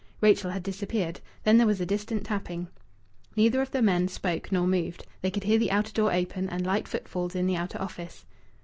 Rachel had disappeared. Then there was a distant tapping. Neither of the men spoke nor moved. They could hear the outer door open and light footfalls in the outer office.